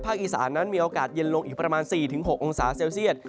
อีสานนั้นมีโอกาสเย็นลงอีกประมาณ๔๖องศาเซลเซียต